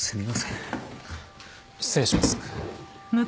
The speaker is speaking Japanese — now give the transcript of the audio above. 失礼します。